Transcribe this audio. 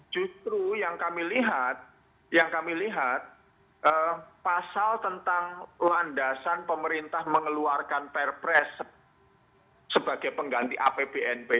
justru yang kami lihat yang kami lihat pasal tentang landasan pemerintah mengeluarkan perpres sebagai pengganti apbnp